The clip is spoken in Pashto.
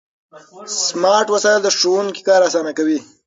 سمارټ وسایل د ښوونکو کار اسانه کوي.